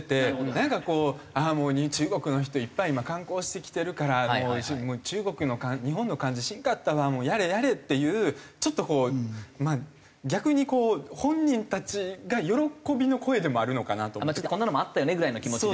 なんかこう「ああもう中国の人いっぱい観光してきてるから日本の感じしんかったわやれやれ」っていうちょっとこう逆に本人たちが喜びの声でもあるのかなと。ちょっとこんなのもあったよねぐらいの気持ちで。